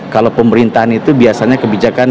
kalau pemerintahan itu biasanya kebijakan